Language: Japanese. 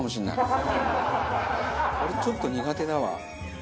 俺ちょっと苦手だわ。